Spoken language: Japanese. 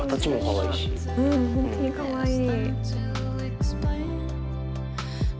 うん本当にかわいい。